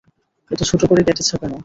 এত ছোট করে কেটেছ কেন?